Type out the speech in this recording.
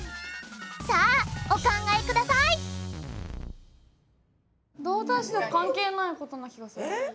さあお考えくださいえっ？